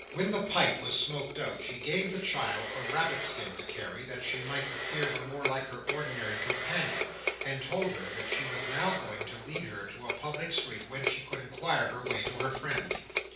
When the pipe was smoked out, she gave the child a rabbit skin to carry, that she might appear the more like her ordinary companion, and told her that she was now going to lead her to a public street whence she could inquire her way to her friends.